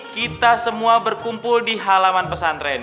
kita itu denger suara misterius